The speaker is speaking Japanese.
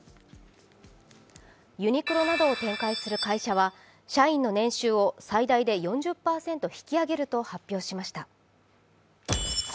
ユニクロなどを展開する会社は社員の年収を最大で４０％引き上げると発表しました。